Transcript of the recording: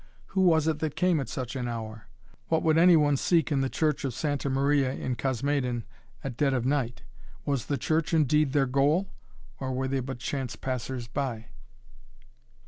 Who was it that came at such an hour? What would any one seek in the church of Santa Maria in Cosmedin at dead of night? Was the church indeed their goal, or were they but chance passers by?